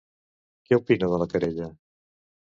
Què opina de la querella?